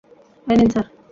এই নিন, স্যার।